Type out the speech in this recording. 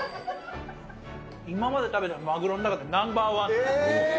今まで食べたマグロの中でナンバー１。